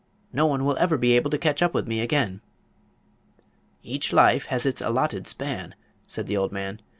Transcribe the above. No one will ever be able to catch up with me again." "Each life has its allotted span," said the old man.